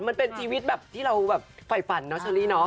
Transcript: มันเป็นชีวิตแบบที่เราแบบไฟฝันเนาะเชอรี่เนาะ